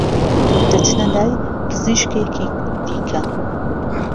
دەچنە لای پزیشکێکی دیکە